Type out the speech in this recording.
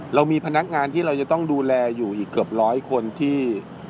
เรามีพนักงานที่เราจะต้องดูแลอยู่อีกเกือบร้อยคนที่